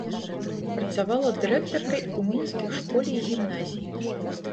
Працавала дырэктаркай у мінскіх школе і гімназіі.